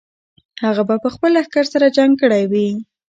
هغه به خپل لښکر سره جنګ کړی وي.